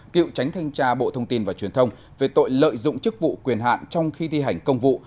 cựu tránh thanh tra bộ thông tin và truyền thông về tội lợi dụng chức vụ quyền hạn trong khi thi hành công vụ